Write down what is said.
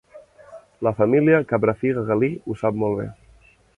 La família Cabrafiga Galí ho sap molt bé.